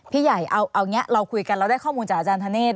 พี่ใหญ่เอาอย่างนี้เราคุยกันเราได้ข้อมูลจากอาจารย์ธเนธ